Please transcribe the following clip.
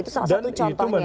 itu salah satu contohnya ya